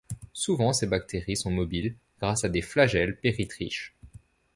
Souvent ces bactéries sont mobiles grâce à des flagelles péritriches.